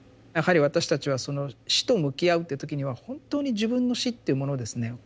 やはり私たちはその死と向き合うっていう時には本当に自分の死っていうものをですね